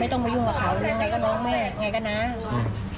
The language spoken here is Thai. ไม่ต้องมายุ่งกับเขายังไงก็น้องแม่ยังไงก็น้า